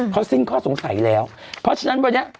เขาสิ้นข้อสงสัยแล้วเพราะฉะนั้นวันนี้